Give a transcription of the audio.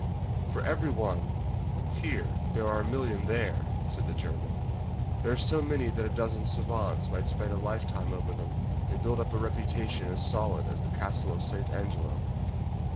"For every one here there are a million there!" said the German. "There are so many that a dozen savants might spend a lifetime over them, and build up a reputation as solid as the Castle of St. Angelo."